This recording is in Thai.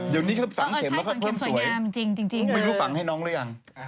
เดี๋ยวนี้เขาฝังเข็มแล้วก็เพิ่มสวยจริงไม่รู้ฝังให้น้องหรือยัง